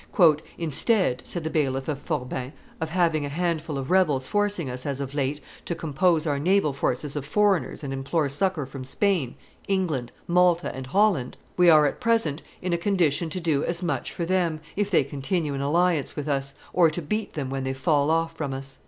"Instead," said the bailiff of Forbin, "of having a handful of rebels forcing us, as of late, to compose our naval forces of foreigners and implore succor from Spain, England, Malta, and Holland, we are at present in a condition to do as much for them if they continue in alliance with us, or to beat them when they fall off from us."